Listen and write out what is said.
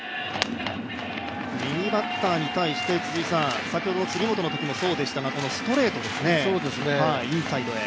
右バッターに対して、先ほど、杉本のときもそうでしたが、ストレートですね、インサイドで。